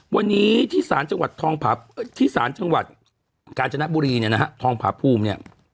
วันนี้ที่สารจังหวัดกาญจนบุรีเนี่ยนะฮะทองพาภูมิเนี่ย